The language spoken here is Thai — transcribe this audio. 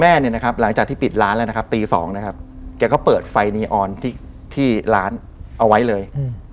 เนี่ยนะครับหลังจากที่ปิดร้านแล้วนะครับตี๒นะครับแกก็เปิดไฟนีออนที่ร้านเอาไว้เลย